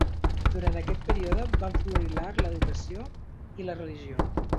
Durant aquest període van florir l'art, l'educació i la religió.